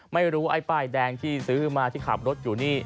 ไม่รู้ไอ้ป้ายแดงที่ซื้อมาที่ขับรถอยู่นี่